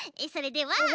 それでは。